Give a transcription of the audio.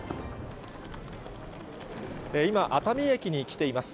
今、熱海駅に来ています。